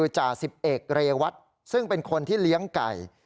จ่าสิบเอกเรวัตซึ่งเป็นคนที่เลี้ยงไก่